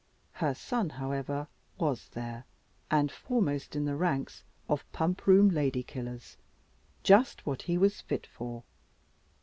Her son, however, was there, and foremost in the ranks of Pump room Lady killers. Just what he was fit for.